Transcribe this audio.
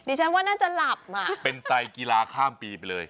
ฉันว่าน่าจะหลับอ่ะเป็นไตกีฬาข้ามปีไปเลย